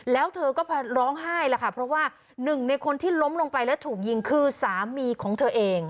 แล้วเธอก็ร้องไห้แล้วค่ะเพราะว่าหนึ่งในคนที่ล้มลงไปแล้วถูกยิงคือสามีของเธอเอง